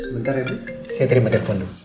sebentar ya saya terima telepon dulu